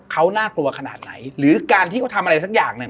เขาน่ากลัวขนาดไหนหรือการที่เขาทำอะไรสักอย่างเนี่ย